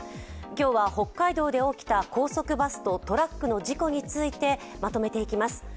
今日は、北海道で起きた高速バスとトラックの事故についてまとめていきます。